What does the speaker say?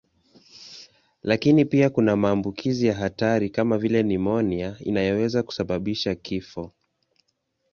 Lakini pia kuna maambukizi ya hatari kama vile nimonia inayoweza kusababisha kifo.